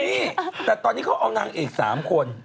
นี่แต่ตอนนี้เขาเอานางเอก๓คน